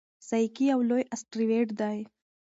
سایکي یو لوی اسټروېډ دی.